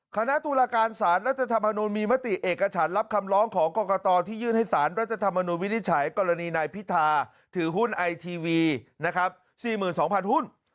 คณะตุลาการสารรัฐธรรมนุนมีมติเอกฉันรับคำร้องของกรกตที่ยื่นให้สารรัฐธรรมนุนวินิจฉัยกรณีนายพิธาถือหุ้นไอทีวีนะครับ๔๒๐๐หุ้น